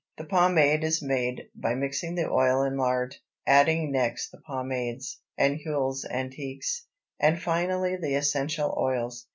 The pomade is made by mixing the oil and lard, adding next the pomades and huiles antiques, and finally the essential oils.